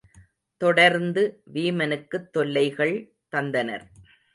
தொடர்ந்து வீமனுக்குத் தொல்லைகள் தந்தனர்.